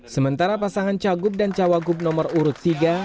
sementara pasangan cagup dan cawagup nomor urut tiga